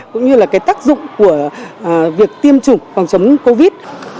cũng như là cái tác dụng của việc tiêm chủng phòng chống covid